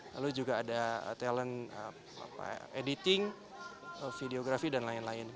lalu juga ada talent editing videografi dan lain lain